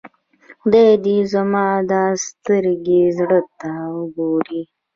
خدای دي زما دا ستړي زړۀ ته وګوري.